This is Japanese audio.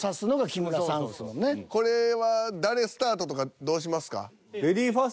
これは誰スタートとかどうしますか？